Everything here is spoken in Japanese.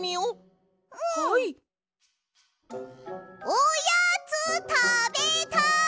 おやつたべたい！